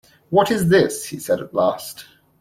‘What is this?’ he said at last.